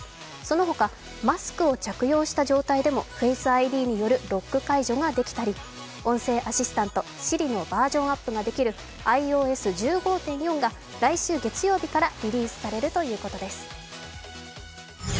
そのほか、マスクを着用した状態でもフェイスＩＤによるロック解除ができたり、音声アシスタント、ＳｉｒｉのバージョンアップができるｉＯＳ１５．４が来週からリリースされるということです。